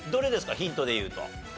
ヒントでいうと。